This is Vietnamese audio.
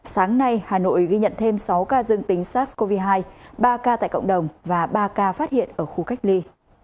sáng nay hà nội ghi nhận thêm sáu ca dương tính sars cov hai ba ca tại cộng đồng và ba ca phát hiện ở khu cách ly